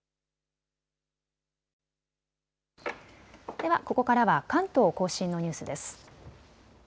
では、ここからは関東甲信のニュースです。